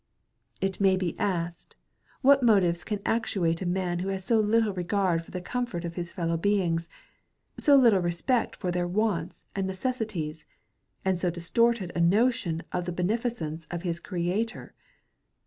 It may be asked, what motives can actuate a man who has so little regard for the comfort of his fellow beings, so little respect for their wants and necessities, and so distorted a notion of the beneficence of his Creator.